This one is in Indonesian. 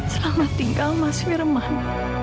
selamat tinggal mas firman